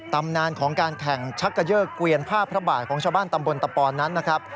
ตำนานของการแข่งชักเกยอร์เกวียนผ้าพระบาทของชาวบ้านตำบลตะปอนนั้นนะครับ